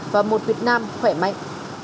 và một việt nam khỏe mạnh